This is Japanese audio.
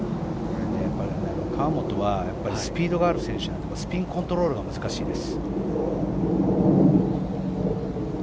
河本はスピードがある選手なのでスピンコントロールが難しいです。